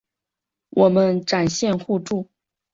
我们展现互助